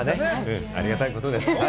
ありがたいことです。